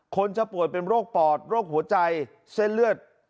คนจะป่วยเป็นโรคปอดโรคหัวใจเส้นเลือด